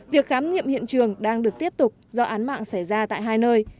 việc khám nghiệm hiện trường đang được tiếp tục do án mạng xảy ra tại hai nơi